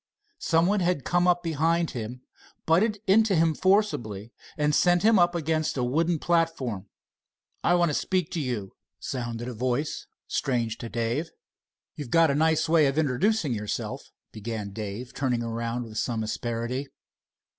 Some one had come up behind him, butted into him forcibly, and sent him up against a wooden platform. "I want to speak to you," sounded a voice strange to Dave. "You've got a nice way of introducing yourself," began Dave, turning around with some asperity.